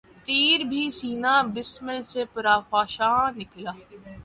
تیر بھی سینہٴ بسمل سے پرافشاں نکلا